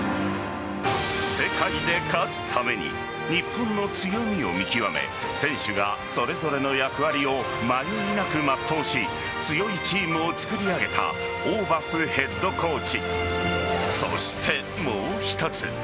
世界で勝つために日本の強みを見極め選手が、それぞれの役割を迷いなく全うし強いチームを作り上げたホーバスヘッドコーチ。